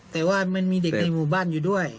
แต่ว่ามันมีเด็กในหมู่บ้านอยู่ด้วย